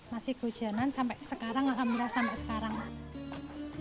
masih hujanan sampai sekarang akan mulai